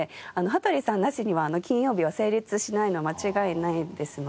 羽鳥さんなしにはあの金曜日は成立しないのは間違いないですので。